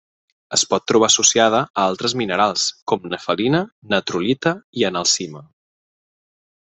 Es pot trobar associada a altres minerals, com nefelina, natrolita i analcima.